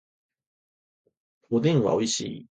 おでんはおいしい